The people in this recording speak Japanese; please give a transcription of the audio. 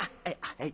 「はい。